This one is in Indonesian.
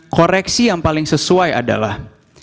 koreksi yang paling sesuai adalah